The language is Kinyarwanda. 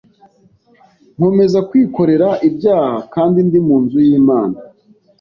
nkomeza kwikorera ibyaha kandi ndi mu nzu y’Imana